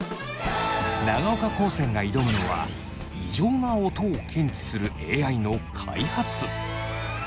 長岡高専が挑むのは異常な音を検知するＡＩの開発。